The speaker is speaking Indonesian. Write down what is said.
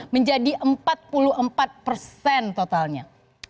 menjadi empat puluh empat persen totalnya